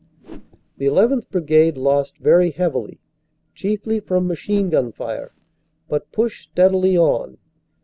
The 1 1th. Brigade lost very heavily, chiefly from machine gun fire, but pushed steadily on.